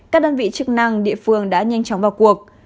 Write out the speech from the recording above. các đơn vị chức năng địa phương đã nhanh chóng vào cuộc